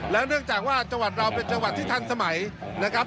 เนื่องจากว่าจังหวัดเราเป็นจังหวัดที่ทันสมัยนะครับ